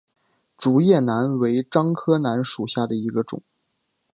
竹叶楠为樟科楠属下的一个种。